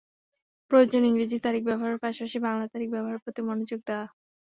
প্রয়োজন ইংরেজি তারিখ ব্যবহারের পাশাপাশি বাংলা তারিখ ব্যবহারের প্রতি মনোযোগ দেওয়া।